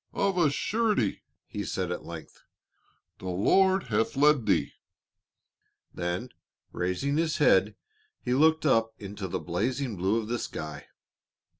"Of a surety," he said at length, "the Lord hath led thee." Then raising his head he looked up into the dazzling blue of the sky.